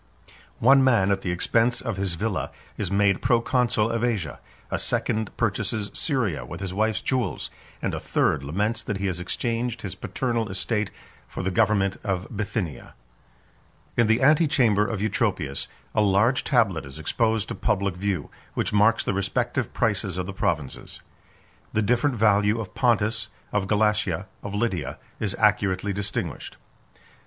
One man, at the expense of his villa, is made proconsul of Asia; a second purchases Syria with his wife's jewels; and a third laments that he has exchanged his paternal estate for the government of Bithynia. In the antechamber of Eutropius, a large tablet is exposed to public view, which marks the respective prices of the provinces. The different value of Pontus, of Galatia, of Lydia, is accurately distinguished.